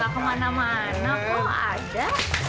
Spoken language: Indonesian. kemana mana kok ada